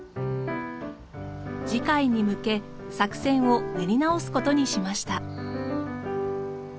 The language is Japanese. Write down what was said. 次回に向け作戦を練り直すことにしました。